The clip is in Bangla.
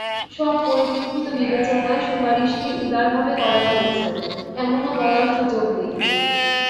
সব পরিপ্রেক্ষিত বিবেচনায় সুপারিশটি উদারভাবে করা হয়েছে, এমনও বলার সুযোগ নেই।